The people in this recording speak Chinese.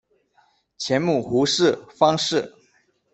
前母胡氏；方氏。